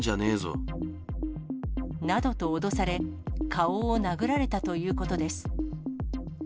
などと脅され、顔を殴られたということです。